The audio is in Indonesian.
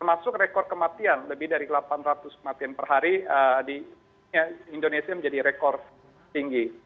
termasuk rekor kematian lebih dari delapan ratus kematian per hari indonesia menjadi rekor tinggi